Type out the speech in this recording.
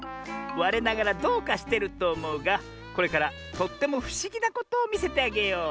われながらどうかしてるとおもうがこれからとってもふしぎなことをみせてあげよう。